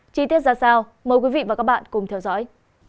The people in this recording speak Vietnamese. chi tiết ra sao mời quý vị và các bạn cùng theo dõi